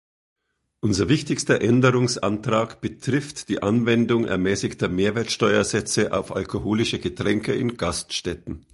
Unser wichtigster Änderungsantrag betrifft die Anwendung ermäßigter Mehrwertsteuersätze auf alkoholische Getränke in Gaststätten.